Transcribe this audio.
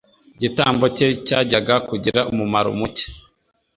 igitambo cye cyajyaga kugira umumaro muke.